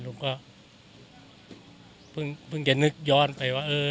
หนูก็เพิ่งเพิ่งจำนึกย้อนไปว่าเออ